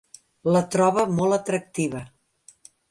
La troba molt atractiva.